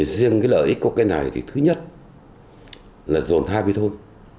riêng cái lợi ích của cái này thì thứ nhất là dồn hai mươi thôn